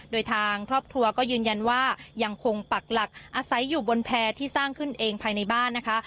โดยทางครอบครัวก็ยืนยันว่ายังคงปักหลักอาศัยอยู่บนแพร่ที่สร้างขึ้นเองภายในบ้านนะคะ